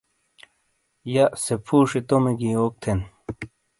یا سے فُوشئیے تومے گی یوک تھین